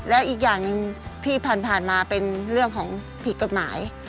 แล้วอีกอย่างหนึ่งที่ผ่านมาเป็นเรื่องของผิดกฎหมาย